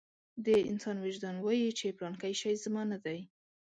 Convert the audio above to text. د انسان وجدان وايي چې پلانکی شی زما نه دی.